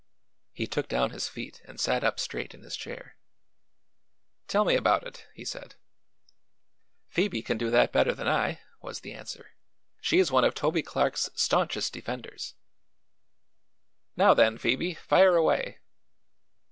He took down his feet and sat up straight in his chair. "Tell me about it," he said. "Phoebe can do that better than I," was the answer. "She is one of Toby Clark's staunchest defenders." "Now, then, Phoebe, fire away."